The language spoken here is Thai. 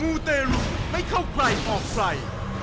มูตร์เตรียมให้เข้าใครออกไฟ